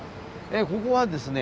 ここはですね